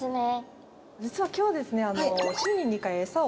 実は今日ですねあっ